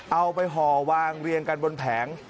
เอาไปห่อวางเรียงกันบนแผง